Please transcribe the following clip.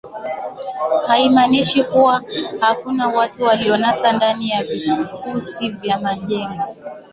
haimaanishi kuwa hakuna watu walionasa ndani ya vifusi vya majengo